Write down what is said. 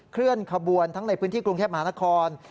เคลื่อนขบวนทั้งในพื้นที่กรุงเทพมหานคร